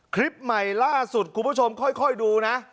คลิปใหม่ล่าสุดคุณผู้ชมค่อยดูนะ